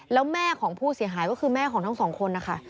แล้วแม่ของผู้เสียหายก็คือแม่ของทั้งสองคนนะคะ